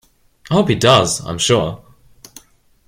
I hope he does, I am sure.